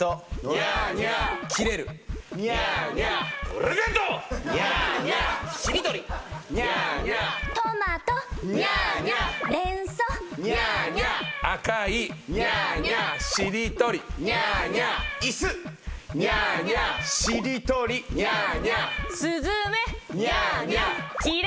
ニャーニャー。